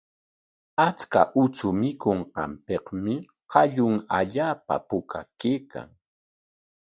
Achka uchu mikunqanpikmi qallun allaapa puka kaykan.